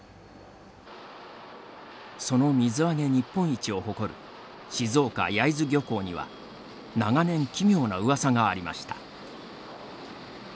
その水揚げ日本一を誇る静岡・焼津漁港には長年、奇妙なうわさがありました。